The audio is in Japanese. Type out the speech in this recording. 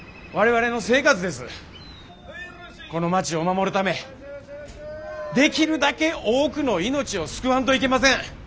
この町を守るためできるだけ多くの命を救わんといけません。